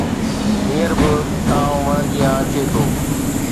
هينئر به ڪانءُ وڻ جيان اچي ٿو